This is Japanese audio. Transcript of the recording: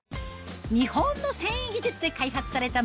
日本の繊維技術で開発されたえ！